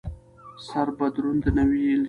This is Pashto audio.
سره به دروند نه وېل شي.